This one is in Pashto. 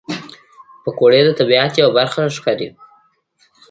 پکورې د طبیعت یوه برخه ښکاري